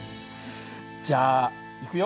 じゃあいくよ。